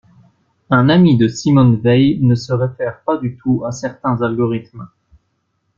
Un ami de Simone Veil ne se réfère pas du tout à certains algorithmes.